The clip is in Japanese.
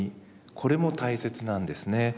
これも大切なんですね。